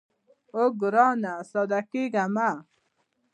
اوو ګرانه ساده کېږه مه.